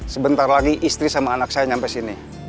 sebentar lagi istri sama anak saya sampai sini